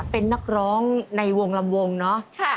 เป็นนักร้องในวงลำวงเนอะ